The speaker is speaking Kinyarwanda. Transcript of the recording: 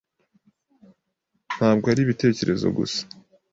Ntabwo ari ibitekerezo gusa.